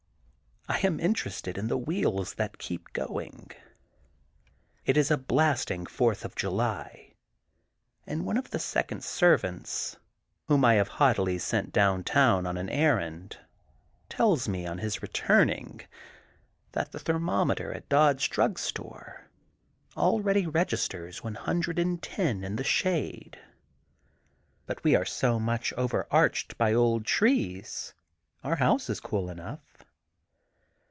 I am interested in the wheels that keep going. It is a blasting Fourth of July and one of the second servants, whom I have haughtily sent down town on an errand, tells me, on re turning, that the thermometer at Dodds * drug store already registers one hundred and ten 282 THE GOLDEN BOOK OF SPRINGFIELD in the shade. But we are so much over arched by old trees, our house is cool enough.